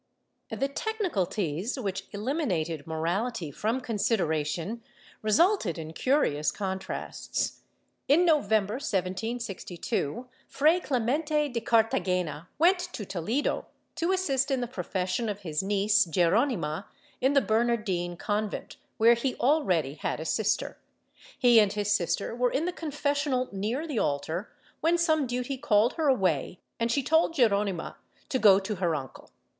^ Tlie technicalties, which eliminated morality from consideration, resulted in curious contrasts. In November 1762, Fray Clemente de Cartagena went to Toledo to assist in the profession of his neice Geronima, in the Bernardine convent, where he already had a sister. He and his sister were in the confessional near the altar, when some duty called her away and she told Geronima^ to go to her uncle.